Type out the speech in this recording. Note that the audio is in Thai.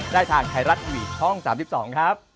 ได้ทางไทยรัฐทีวีช่อง๓๒ครับ